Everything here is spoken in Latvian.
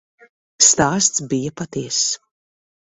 Stāsts bija patiess.